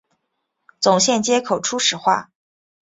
总线接口初始化